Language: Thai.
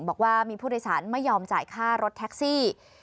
บอกว่ามีผู้โดยสารไม่ยอมจ่ายค่ารถแท็กซี่